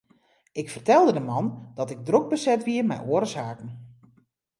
Ik fertelde de man dat ik drok beset wie mei oare saken.